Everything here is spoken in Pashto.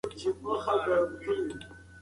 د الوتکې تېز غږ اوس زما په غوږونو کې نه دی.